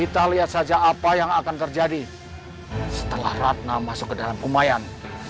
kita lihat saja apa yang akan terjadi setelah ratna masuk ke dalam kumayan